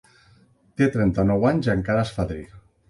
Té trenta-nou anys i encara és fadrí.